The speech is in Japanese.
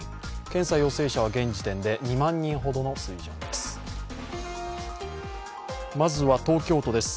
検査陽性者は現時点で２万人ほどの水準です。